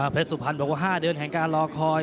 สุพรรณบอกว่า๕เดือนแห่งการรอคอย